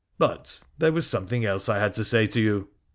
But there was some thing else I had to say to you.'